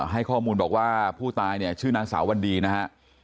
ให้ข้อมูลบอกว่าผู้ตายเนี่ยชื่อนางสาววันดีนะฮะ